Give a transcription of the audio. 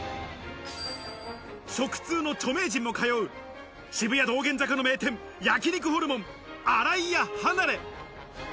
食通の著名人も通う渋谷道玄坂の名店「焼肉ホルモン新井屋はなれ」。